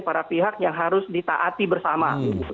para pihak yang harus ditaati bersama